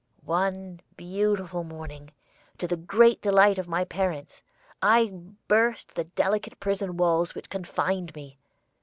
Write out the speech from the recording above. One beautiful morning, to the great delight of my parents, I burst the delicate prison walls which confined me.